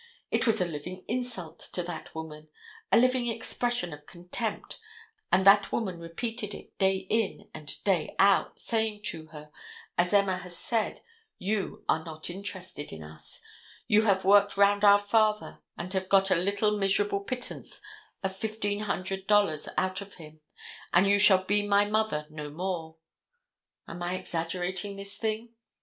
It was a living insult to that woman, a living expression of contempt, and that woman repeated it day in and day out, saying to her, as Emma has said, you are not interested in us. You have worked round our father and have got a little miserable pittance of $1,500 out of him, and you shall be my mother no more. Am I exaggerating this thing?